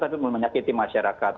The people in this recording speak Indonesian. tapi menyakiti masyarakat